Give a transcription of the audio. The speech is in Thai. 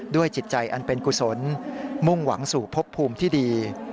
จิตใจอันเป็นกุศลมุ่งหวังสู่พบภูมิที่ดี